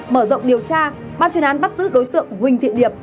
mở rộng điều tra ban chuyên án bắt giữ đối tượng huỳnh thị điệp